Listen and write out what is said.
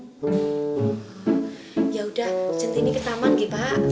ads benewa ya udah jam ini ke taman ke pak